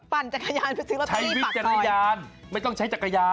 ปั่นจักรยานไปซื้อลอตเตอรี่ปากต่อยใช้วิทยาลัยไม่ต้องใช้จักรยาน